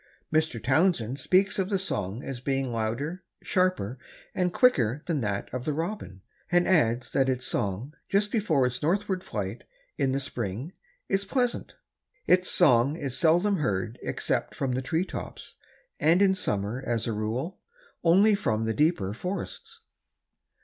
Mr. Townsend speaks of the song as being louder, sharper and quicker than that of the robin and adds that its song just before its northward flight, in the spring, is pleasant. Its song is seldom heard except from the tree tops, and in summer, as a rule, only from the deeper forests.